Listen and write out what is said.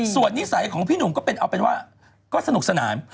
ส่วนนิสัยของพี่หนุ่มก็เป็นเอาเป็นว่าก็สนุกสนาน